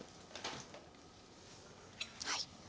はい。